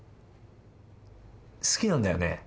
「好きなんだよね？